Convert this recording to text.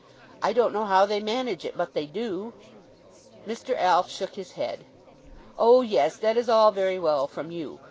I don't know how they manage it, but they do." Mr. Alf shook his head. "Oh yes; that is all very well from you.